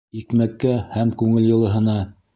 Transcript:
Икмәккә һәм күңел йылыһына...